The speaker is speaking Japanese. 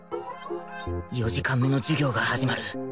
４時間目の授業が始まる